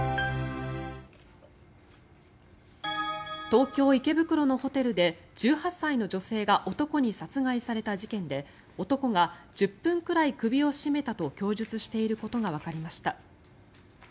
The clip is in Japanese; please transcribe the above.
東京・池袋のホテルで１８歳の女性が男に殺害された事件で男が、１０分くらい首を絞めたと供述していることがわかりました。